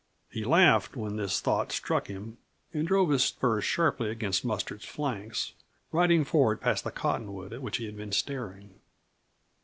He laughed when this thought struck him and drove his spurs sharply against Mustard's flanks, riding forward past the cottonwood at which he had been staring.